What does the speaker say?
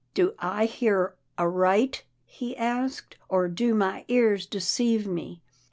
" Do I hear aright ?" he asked, " or do my ears deceive me